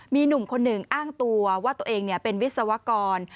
มีหนุ่มคนหนึ่งอ้างตัวว่าตัวเองเป็นวิศวกร